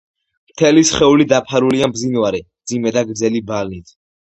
მთელი სხეული დაფარულია მბზინვარე, მძიმე და გრძელი ბალნით.